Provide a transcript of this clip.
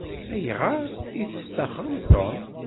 Ayɣer i testaxṛem Tom?